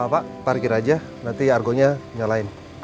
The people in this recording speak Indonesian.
pak parkir aja nanti argonya nyalain